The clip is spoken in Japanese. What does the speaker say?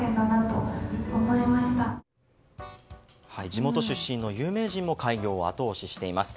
地元出身の有名人も開業を後押ししています。